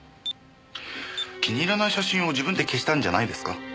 気に入らない写真を自分で消したんじゃないですか？